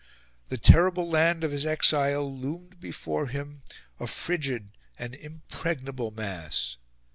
The terrible land of his exile loomed before him a frigid, an impregnable mass.